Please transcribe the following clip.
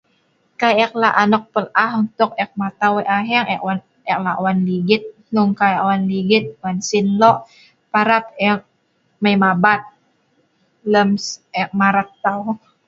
Kai ek lah anok pel ah' untuk ek matau wei' aheng, ek wan, ek lah wan ligit, hnong ek lah ligit, wan sin lo' parap ek mai mabat lem ek marat tau.